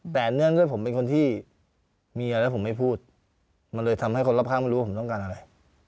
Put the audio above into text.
แต่เนื่องด้วยผมเป็นคนที่เมียแล้วผมไม่พูดมันเลยทำให้คนรอบข้างไม่รู้ว่าผมต้องการอะไร